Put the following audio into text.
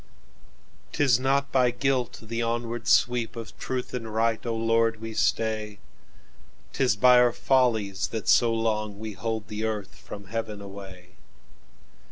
"'T is not by guilt the onward sweepOf truth and right, O Lord, we stay;'T is by our follies that so longWe hold the earth from heaven away.